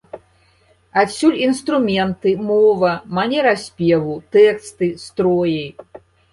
Адсюль інструменты, мова, манера спеву, тэксты, строі.